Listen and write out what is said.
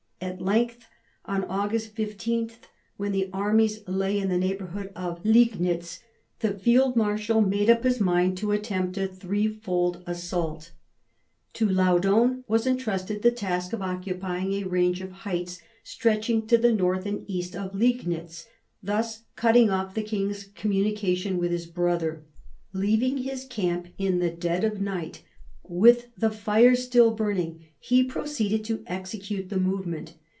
At length, on August 15, when the armies lay in the neighbourhood of Liegnitz, the field marshal made up his mind to attempt a threefold assault. To 168 MARIA THERESA chap, viii Laudon was entrusted the task of occupying a range of heights stretching to the north and east of Liegnitz, thus cutting off the king's communication with his brother. Leaving his camp in the dead of night with the fires still burning, he proceeded to execute the movement.